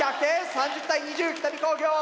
３０対２０北見工業！